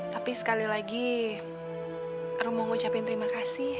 tapi sekali lagi rum mau ngucapin terima kasih